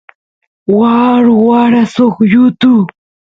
waa ruwara suk yutu